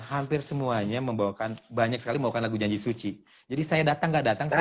hampir semuanya membawakan banyak sekali melakukan lagu janji suci jadi saya datang nggak datang saya